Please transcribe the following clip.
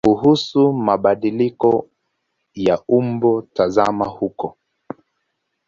Kuhusu mabadiliko ya umbo tazama huko.